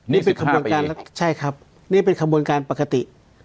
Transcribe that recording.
นี่เป็นคำบนการใช่ครับนี่เป็นคำบนการปกติ